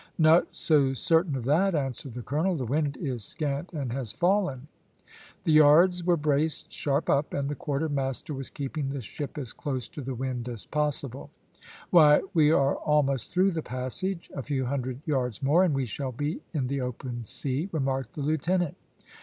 "Not so certain of that," answered the colonel. "The wind is scant and has fallen." The yards were braced sharp up, and the quartermaster was keeping the ship as close to the wind as possible. "Why we are almost through the passage; a few hundred yards more, and we shall be in the open sea," remarked the lieutenant.